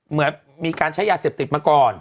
เหมือนมีการใช้ยาเสพติดมาก่อน